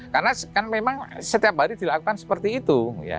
karena kan memang setiap hari dilakukan seperti itu